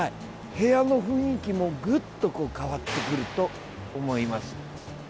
部屋の雰囲気もぐっとこう変わってくると思います。